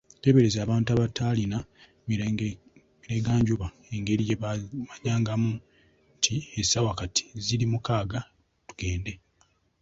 Teeberezaamu abantu abataalina mirenganjuba engeri gye baamanyangamu nti, essaawa kati ziri mukaaga tugende!